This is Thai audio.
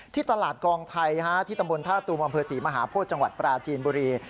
ที่ตลาดกองไทยที่ตำบลท่าตูมอำเภอศรีมหาโพธิจังหวัดปราจีนบุรี